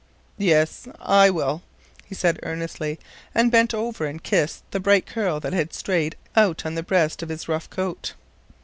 "Yes, I will," he said earnestly, and bent over and kissed the bright curl that had strayed out on the breast of his rough coat.